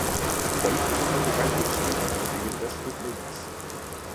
Wade was an undergraduate student at the University of Leeds.